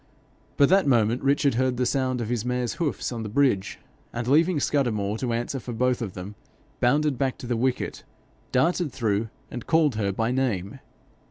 But that moment Richard heard the sound of his mare's hoofs on the bridge, and leaving Scudamore to answer for them both, bounded back to the wicket, darted through, and called her by name.